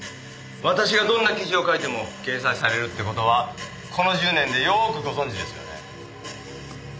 私がどんな記事を書いても掲載されるって事はこの１０年でよくご存じですよね。